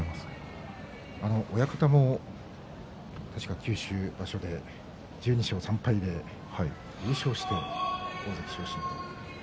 九重親方も確か九州場所で１２勝３敗で優勝して大関昇進と。